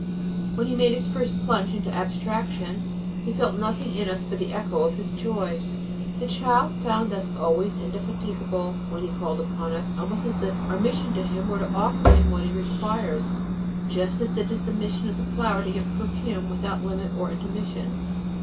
When he made his first plunge into abstraction, he felt nothing in us but the echo of his joy. The child found us always indefatigable when he called upon us, almost as if our mission to him were to offer him what he requires, just as it is the mission of the flower to give perfume without limit or intermission.